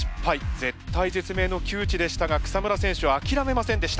絶体絶命の窮地でしたが草村選手は諦めませんでした。